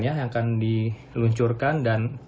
yang akan diluncurkan dan